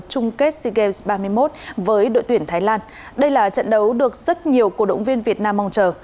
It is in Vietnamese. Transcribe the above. chung kết sea games ba mươi một với đội tuyển thái lan đây là trận đấu được rất nhiều cổ động viên việt nam mong chờ